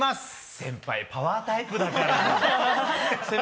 先輩パワータイプだから。